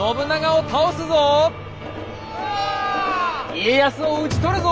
家康を討ち取るぞ！